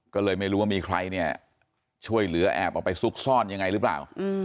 ก็เลยไม่รู้ว่ามีใครเนี่ยช่วยเหลือแอบออกไปซุกซ่อนยังไงหรือเปล่า